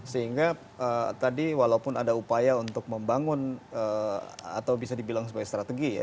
sehingga tadi walaupun ada upaya untuk membangun atau bisa dibilang sebagai strategi ya